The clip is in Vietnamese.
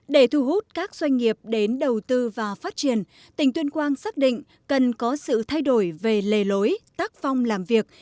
để thu hút các doanh nghiệp đến đầu tư và phát triển tỉnh tuyên quang xác định cần có sự thay đổi về lề lối tác phong làm việc